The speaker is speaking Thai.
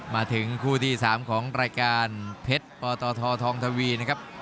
มาถึงคู่ที่๓ของรายการเพชรปทธองทวี